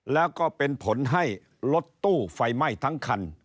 แล้วก็เป็นผลให้รถตู้ไฟไหม้ทั้งคัน